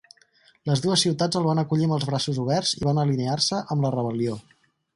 Les dues ciutats el van acollir amb els braços oberts i van alinear-se amb la rebel·lió.